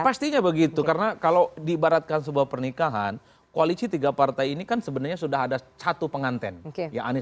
pastinya begitu karena kalau diibaratkan sebuah pernikahan koalisi tiga partai ini kan sebenarnya sudah ada satu penganten